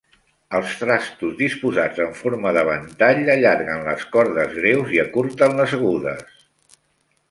Els trastos disposats en forma de ventall allarguen les cordes greus i acurten les agudes.